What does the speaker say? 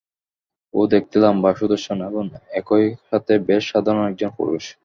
ও দেখতে লম্বা, সুদর্শন এবং একই সাথে বেশ সাধারণ একজন পুরুষ!